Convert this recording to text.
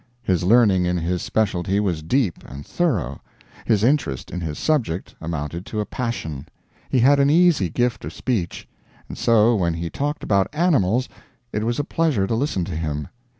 His learning in his specialty was deep and thorough, his interest in his subject amounted to a passion, he had an easy gift of speech; and so, when he talked about animals it was a pleasure to listen to him.